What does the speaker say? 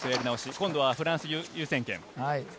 今度はフランス優先権。